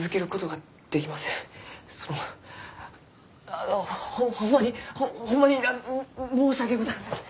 そのあのホホンマにホンマに申し訳ございません。